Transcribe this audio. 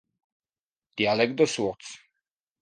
Diàleg de sords.